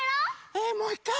えもういっかい？